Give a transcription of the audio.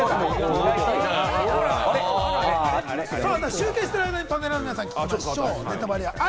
集計してる間にパネラーの皆さんにも聞いてみましょう。